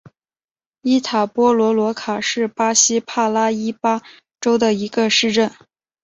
伊塔波罗罗卡是巴西帕拉伊巴州的一个市镇。